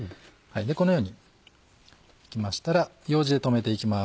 このように巻きましたらようじで留めていきます。